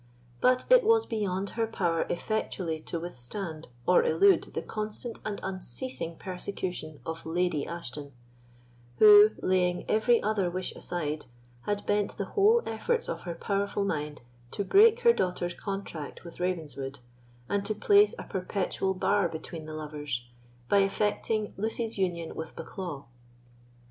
But it was beyond her power effectually to withstand or elude the constant and unceasing persecution of Lady Ashton, who, laying every other wish aside, had bent the whole efforts of her powerful mind to break her daughter's contract with Ravenswood, and to place a perpetual bar between the lovers, by effecting Lucy's union with Bucklaw.